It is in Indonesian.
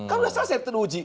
kan sudah selesai ditujuji